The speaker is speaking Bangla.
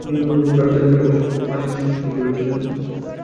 তিনি ইউরোপ এবং ভারত জুড়ে অসংখ্য বাণিজ্যের চুক্তি করেছিলেন।